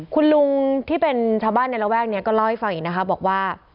คุณลุงที่เป็นชาวบ้านในระแวกนี้ก็เล่าให้ฟังอีกนะคะบอกว่า